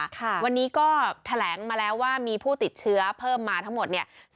วันนี้ก็แถลงมาแล้วว่ามีผู้ติดเชื้อเพิ่มมาทั้งหมดเนี่ย